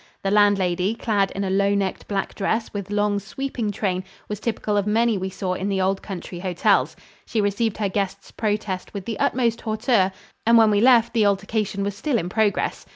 The landlady, clad in a low necked black dress with long sweeping train, was typical of many we saw in the old country hotels. She received her guest's protest with the utmost hauteur, and when we left the altercation was still in progress.